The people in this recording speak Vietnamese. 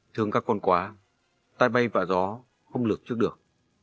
thương các con quá tai bay vạ gió không lược trước được